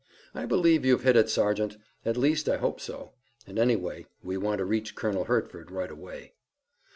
"I believe you've hit it, Sergeant. At least I hope so, and anyway we want to reach Colonel Hertford right away."